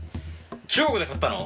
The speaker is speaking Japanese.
中国で買ったの？